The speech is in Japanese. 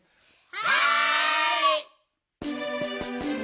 はい！